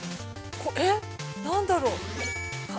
えっ、何だろう。